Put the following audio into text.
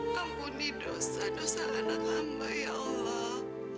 ampuni dosa dosa anak hamba ya allah